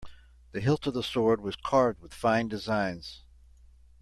The hilt of the sword was carved with fine designs.